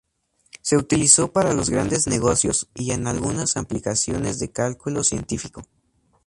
Se utilizó para los grandes negocios y en algunas aplicaciones de cálculo científico.